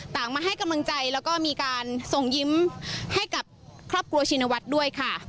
มาให้กำลังใจแล้วก็มีการส่งยิ้มให้กับครอบครัวชินวัฒน์ด้วยค่ะ